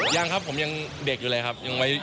ยังครับผมยังเด็กอยู่เลยครับ